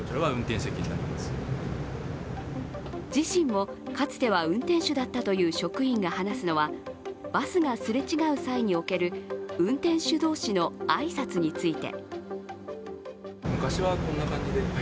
自身もかつては運転手だったという職員が話すのは、バスがすれ違う際における運転手同士の挨拶について。